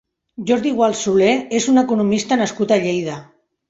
Jordi Gual Solé és un economista nascut a Lleida.